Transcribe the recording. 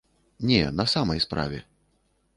Не, на самай справе.